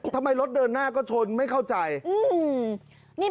ทำไมรถเดินหน้าก็ชนไม่เข้าใจ